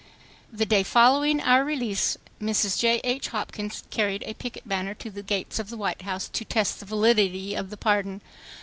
s The day following our release Mrs. J. A. H. Hopkins carried a picket banner to the gates of the White House to test the validity of the pardon.